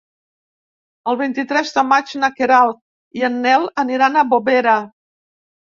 El vint-i-tres de maig na Queralt i en Nel aniran a Bovera.